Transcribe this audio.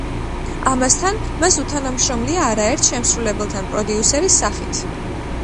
ამასთან, მას უთანამშრომლია არაერთ შემსრულებელთან პროდიუსერის სახით.